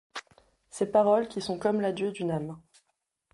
Ces paroles qui sont comme l'adieu d'une âme ;